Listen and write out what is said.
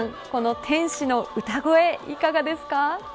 天使の歌声いかがですか。